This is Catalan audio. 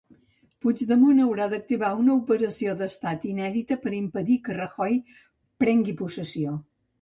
Puigdemont haurà d'activar una operació d'estat inèdita per a impedir que Rajoy prengui possessió.